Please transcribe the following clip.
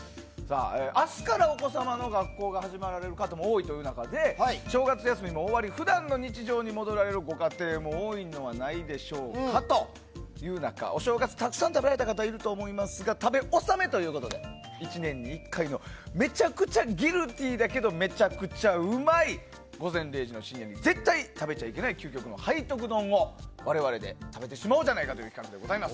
明日からお子様の学校が始まる方も多いという中で正月休みも終わり普段の日常に戻られるご家庭も多いのではないでしょうかという中お正月、たくさん食べられた方も多いと思いますが食べ納めということで１年に１回のめちゃくちゃギルティーだけどめちゃくちゃうまい午前０時の深夜に絶対に食べちゃいけない究極の背徳丼を我々で食べてしまおうということでございます。